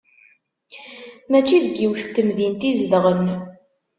Mačči deg yiwet n temdint i zedɣen.